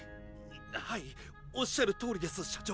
はいおっしゃるとおりです社長。